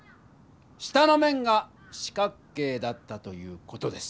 下の面が四角形だったという事です。